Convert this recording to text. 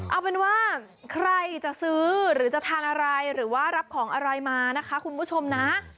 เอาเป็นว่าใครจะซื้อหรือจะทานอะไรหรือว่ารับของอะไรมานะคะคุณผู้ชมนะ